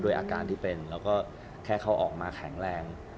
อาการที่เป็นแล้วก็แค่เขาออกมาแข็งแรง